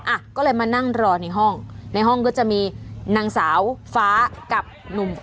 อ่ะก็เลยมานั่งรอในห้องในห้องก็จะมีนางสาวฟ้ากับหนุ่ม